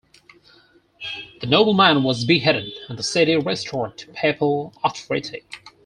The nobleman was beheaded and the city restored to Papal authority.